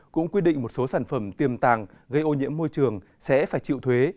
cũng quy định một số sản phẩm tiềm tàng gây ô nhiễm môi trường sẽ phải chịu thuế